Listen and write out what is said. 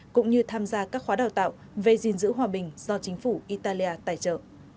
cũng như tham gia các khóa đào tạo về gìn giữ hòa bình do chính phủ italia tài trợ